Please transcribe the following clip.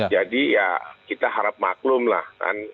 jadi ya kita harap maklum lah